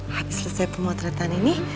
habis selesai pemotretan ini